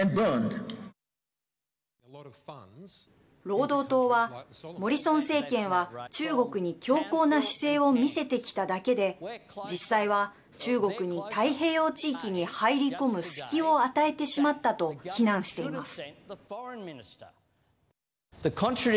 労働党はモリソン政権は中国に強硬な姿勢を見せてきただけで実際は中国に太平洋地域に入り込む隙を与えてしまったと非難しています。